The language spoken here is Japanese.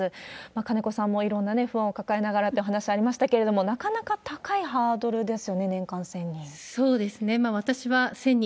金子さんもいろんな不安を抱えながらという話ありましたけれども、なかなか高いハードルですよね、年間１０００人。